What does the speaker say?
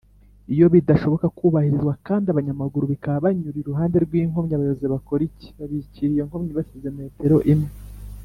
iyo bidashoboka kubahirizwa kd abanyamaguru bikaba banyura iruhande rw’inkomyi abayobozi bakora ik?bakikira iyonkomyi basize metero imwe